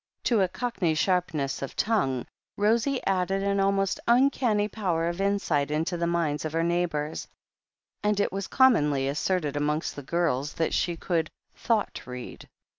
To a Cockney sharpness of tongue, Rosie added an almost uncanny power of insight into the minds of her neighbours, and it was commonly asserted amongst the girls that she could "thought read."